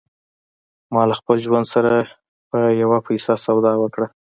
ما له خپل ژوند سره پر یوه پیسه سودا وکړه